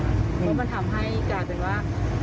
เพราะมันทำให้กลายเป็นว่า